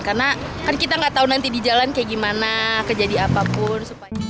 karena kan kita nggak tahu nanti di jalan kayak gimana kejadian apapun